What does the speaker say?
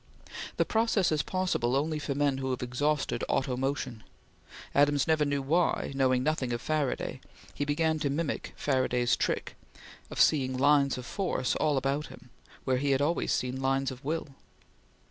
The process is possible only for men who have exhausted auto motion. Adams never knew why, knowing nothing of Faraday, he began to mimic Faraday's trick of seeing lines of force all about him, where he had always seen lines of will.